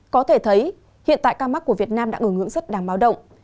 có thể thấy hiện tại ca mắc của việt nam đã ngừng ngưỡng rất đáng mau động